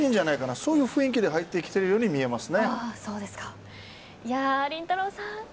そういう雰囲気で入ってきているように見えますね。